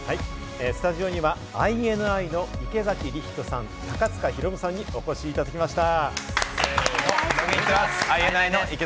スタジオにはＩＮＩの池崎理人さん、高塚大夢さんにお越しいただきました。